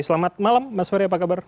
selamat malam mas ferry apa kabar